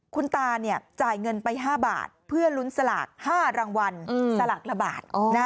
คุณตาจ่ายเงินไป๕บาทเพื่อลุ้นสลาก๕รางวัลสลากละบาท